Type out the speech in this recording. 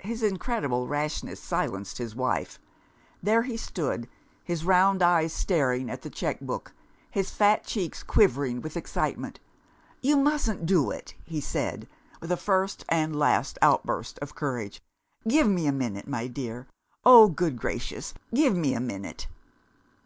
His incredible rashness silenced his wife. There he stood; his round eyes staring at the cheque book, his fat cheeks quivering with excitement. "You mustn't do it," he said, with a first and last outburst of courage. "Give me a minute, my dear oh, good gracious, give me a minute!"